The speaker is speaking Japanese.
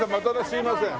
すいません。